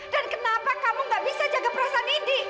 dan kenapa kamu nggak bisa jaga perasaan indi